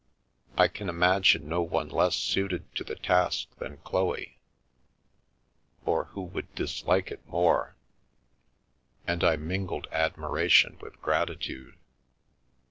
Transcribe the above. I can imagine no one less suited to the task than Chloe, or who would dislike it more, and I mingled ad miration with gratitude.